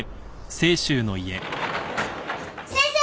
先生！